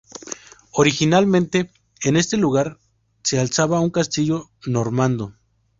Originalmente en este lugar se alzaba un castillo normando.